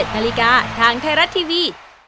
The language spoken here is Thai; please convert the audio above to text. ๑๗นาฬิกาทางไทยรัตน์ทีวี